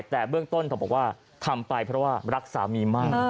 แต่เบื้องต้นเธอบอกว่าทำไปเพราะว่ารักสามีมาก